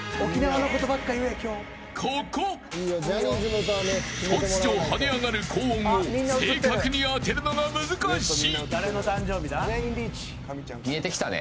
ここ、突如跳ね上がる高音を正確に当てるのが難しい。